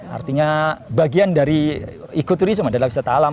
artinya bagian dari ekoturisme adalah wisata alam